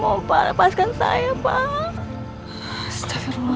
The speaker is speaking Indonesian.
pak biar aku yang bayarin ya